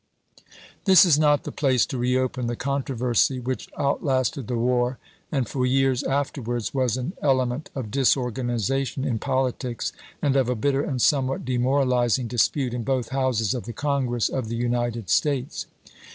^ This is not the place to reopen the controversy which outlasted the war and for years afterwards was an element of disorganization in politics and of a bitter and somewhat demoralizing dispute in both Houses of the Congress of the United States.